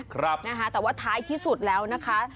ครับนะคะแต่ว่าท้ายที่สุดแล้วนะคะ